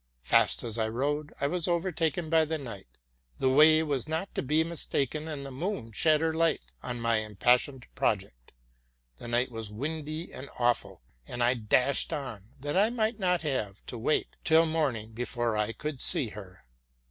Fast as I rode, I was overtaken by the night. The way was not to be mistaken, and the moon shed her light on my impassioned project. The night was windy and awful; and I dashed on, that I might not have to wait till morning before I could see her.